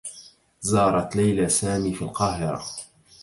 زارت ليلى سامي في القاهرة.